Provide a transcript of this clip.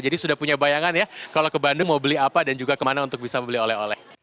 jadi sudah punya bayangan ya kalau ke bandung mau beli apa dan juga kemana untuk bisa beli oleh oleh